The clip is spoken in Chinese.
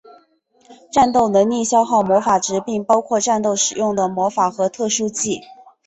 战斗能力消耗魔法值并包括战斗使用的魔法和特殊技。